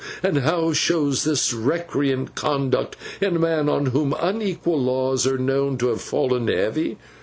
And how shows this recreant conduct in a man on whom unequal laws are known to have fallen heavy?